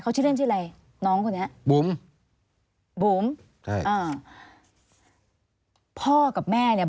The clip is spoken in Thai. เขาชื่อเล่นชื่ออะไรน้องคนนี้บุ๋มบุ๋มใช่อ่าพ่อกับแม่เนี้ย